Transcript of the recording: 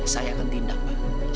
saya akan tindak pa